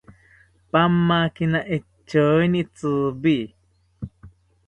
Pamakina echonkini tziwi